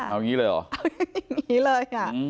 เอางี้เลยอ่ะ